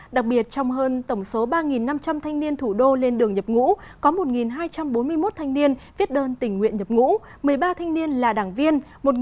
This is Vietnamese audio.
đặc biệt trong hơn tổng số ba năm trăm linh thanh niên thủ đô lên đường nhập ngũ có một hai trăm bốn mươi một thanh niên viết đơn tình nguyện nhập ngũ một mươi ba thanh niên là đảng viên